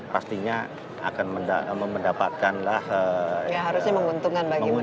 pastinya akan mendapatkanlah menguntung masyarakat